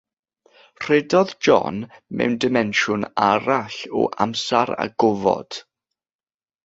Rhedodd John mewn dimensiwn arall o amser a gofod.